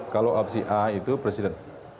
kalau opsi a itu presiden